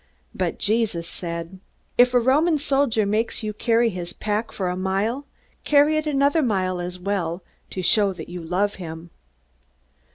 But Jesus said, "If a Roman soldier makes you carry his pack for a mile, carry it another mile as well, to show that you love him."